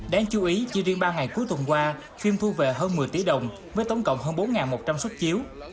đáng chú ý chỉ riêng ba ngày cuối tuần qua phim thu về hơn một mươi tỷ đồng với tổng cộng hơn bốn một trăm linh xuất chiếu